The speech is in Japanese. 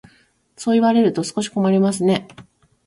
そう言われると少し困りますね。